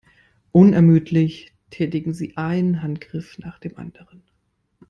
Unermüdlich tätigen sie einen Handgriff nach dem anderen.